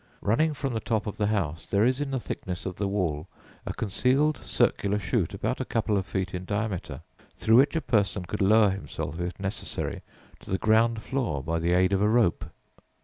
Running from the top of the house there is in the thickness of the wall, a concealed circular shoot about a couple of feet in diameter, through which a person could lower himself, if necessary, to the ground floor by the aid of a rope.